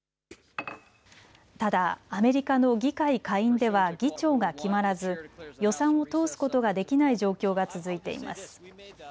ただアメリカの議会下院では議長が決まらず予算を通すことができない状況が続いています。